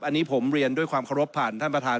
อันนี้ผมเรียนด้วยความเคารพผ่านท่านประธาน